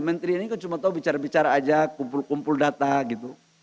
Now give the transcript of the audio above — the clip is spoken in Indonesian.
menteri ini kan cuma tahu bicara bicara aja kumpul kumpul data gitu